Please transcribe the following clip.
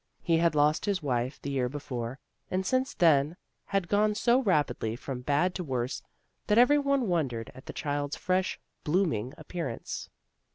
He had lost his wife the year before, and since then things had gone so rapidly from bad to worse that everyone won dered at the child's fresh, blooming appearance.